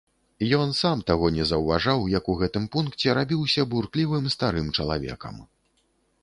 Ён сам таго не заўважаў, як у гэтым пункце рабіўся бурклівым старым чалавекам.